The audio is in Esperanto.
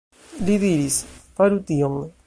Li diris, faru tion.